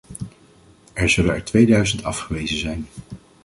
Er zullen er tweeduizend afgewezen zijn.